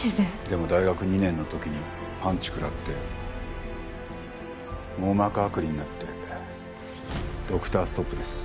でも大学２年の時にパンチ食らって網膜剥離になってドクターストップです。